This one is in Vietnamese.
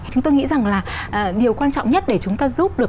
chúng tôi nghĩ rằng là điều quan trọng nhất để chúng ta giúp được